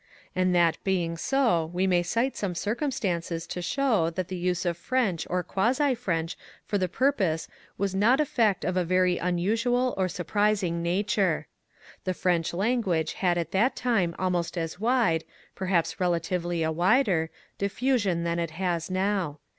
And that being so we may cite some circumstances to show that the use of French or quasi French for the purpose was not a fact of a very unusual or surprising nature. The French language had at that time almost as wide, perhaps relatively a wider, diffusion than it has now.